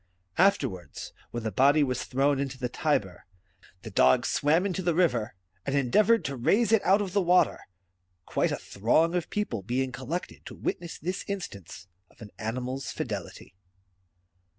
After wards, when the body was thrown into the Tiber, the dog swam into the river, and endeavoured to raise it out of the water ; quite a throng of people being collected to witness this instance of an animal's fidelity.